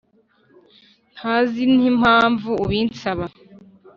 ntazi nimpamvu ubinsaba